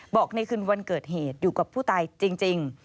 ในคืนวันเกิดเหตุอยู่กับผู้ตายจริง